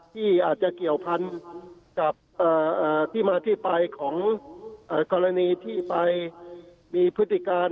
ที่อาจจะเกี่ยวพันกับที่มาที่ไปของกรณีที่ไปมีพฤติการ